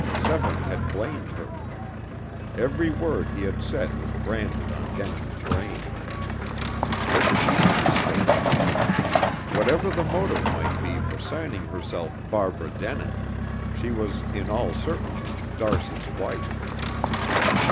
Severne had blamed her. Every word he had said was branded on Denin's brain. There could be no mistake. Whatever the motive might be for signing herself Barbara Denin, she was in all certainty d'Arcy's wife.